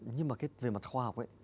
nhưng mà về mặt khoa học ấy